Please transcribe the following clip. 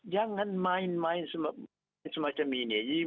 jangan main main semacam ini